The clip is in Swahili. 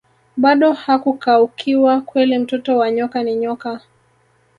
bado hakukaukiwa kweli mtoto wa nyoka ni nyoka